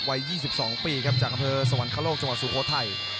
วัยยี่สิบสองปีครับจังหวัดสวรรคโลกจังหวัดสู่โค่ไทย